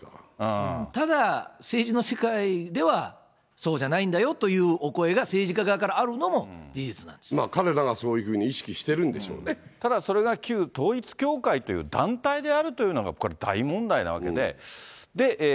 ただ、政治の世界では、そうじゃないんだよというお声が政治家の方々からあるのも事実な彼らがそういうふうに意識しただそれが旧統一教会という、団体であるというのがこれ大問題なわけで。